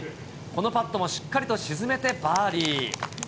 このパットもしっかりと沈めてバーディー。